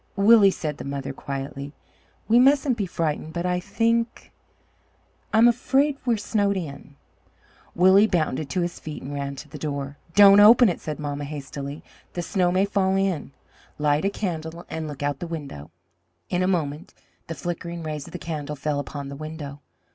"Willie," said the mother quietly, "we mustn't be frightened, but I think I'm afraid we are snowed in." Willie bounded to his feet and ran to the door. "Don't open it!" said mamma hastily; "the snow may fall in. Light a candle and look out the window." In a moment the flickering rays of the candle fell upon the window.